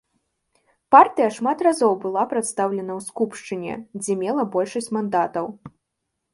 Партыя шмат разоў была прадстаўлена ў скупшчыне, дзе мела большасць мандатаў.